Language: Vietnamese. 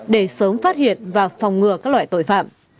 để sớm phát hiện và phòng ngừa các loại tội phạm